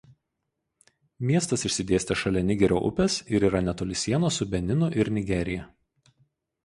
Miestas išsidėstęs šalia Nigerio upės ir yra netoli sienos su Beninu ir Nigerija.